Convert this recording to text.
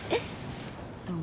どうも。